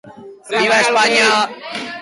Euskarak denon beharra du aurrera egingo badu.